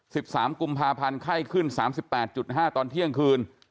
สิบสามกุมภาพันธ์ไข้ขึ้นสามสิบแปดจุดห้าตอนเที่ยงคืน